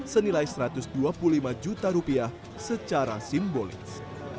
senilai satu ratus dua puluh lima juta rupiah secara simbolis